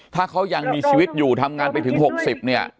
ถ้าเขายังมีชีวิตอยู่ทำงานไปถึง๖๐เนี่ย